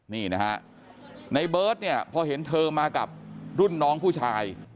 นี่นะฮะในเบิร์ตเนี่ยพอเห็นเธอมากับรุ่นน้องผู้ชาย